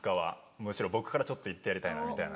むしろ僕からちょっと言ってやりたいなみたいな。